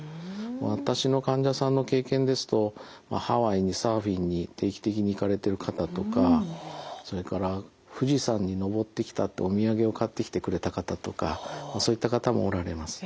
私の患者さんの経験ですとハワイにサーフィンに定期的に行かれてる方とかそれから富士山に登ってきたってお土産を買ってきてくれた方とかそういった方もおられます。